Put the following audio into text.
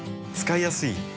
使いやすい。